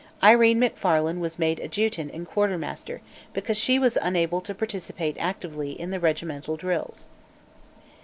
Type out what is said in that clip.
Irene Macfarlane was made adjutant and quartermaster, because she was unable to participate actively in the regimental drills.